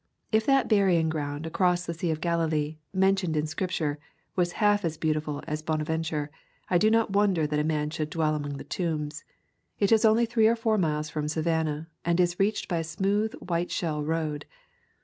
If that burying ground across the Sea of Gali lee, mentioned in Scripture, was half as beau tiful as Bonaventure, I do not wonder that a man should dwell among the tombs. It is only three or four miles from Savannah, and is reached by a smooth white shell road.